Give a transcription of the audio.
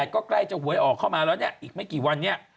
ก็ใกล้จะหวยออกเข้ามาแล้วเนี่ยอีกไม่กี่วันเนี่ย